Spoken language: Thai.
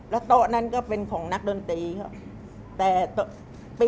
แล้วโต๊ะนั้นก็เป็นของนักดนตรีครับ